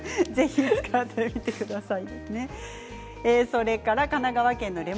ぜひ使ってみてください。